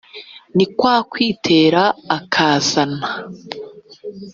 ni kwa kwitera akazana